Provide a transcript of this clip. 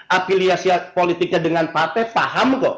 apeliasi politiknya dengan pate paham kok